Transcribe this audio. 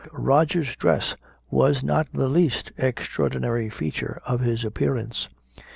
Roger's dress was not the least extraordinary feature of his appearance.